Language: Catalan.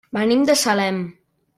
Venim de Salem.